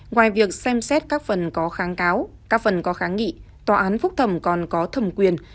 ngoài việc xem xét các phần có kháng cáo các phần có kháng nghị tòa án phúc thẩm còn có thẩm quyền